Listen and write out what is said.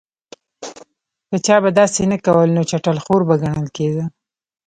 که به چا داسې نه کول نو چټل خور به ګڼل کېده.